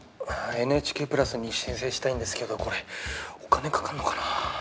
ＮＨＫプラスに申請したいんですけどこれお金かかんのかな？